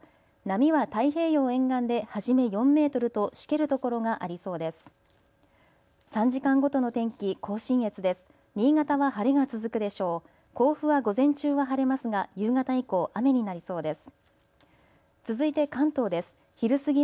波は太平洋沿岸で初め４メートルとしける所がありそうです。